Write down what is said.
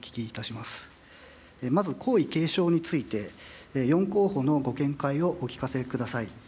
まず皇位継承について、４候補のご見解をお聞かせください。